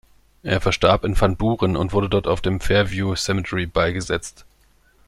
Er verstarb in Van Buren und wurde dort auf dem "Fairview Cemetery" beigesetzt.